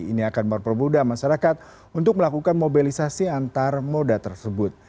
ini akan mempermudah masyarakat untuk melakukan mobilisasi antar moda tersebut